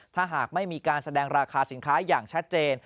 ถ้าหากไม่มีการแสดงราคาสินค้าอย่างชัดเจน